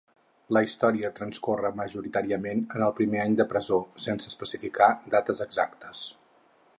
La història transcorre majoritàriament en el primer any de presó, sense especificar dates exactes.